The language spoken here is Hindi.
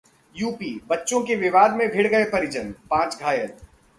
यूपीः बच्चों के विवाद में भिड़ गए परिजन, पांच घायल